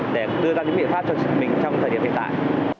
để đưa ra những biện pháp cho mình trong thời điểm hiện tại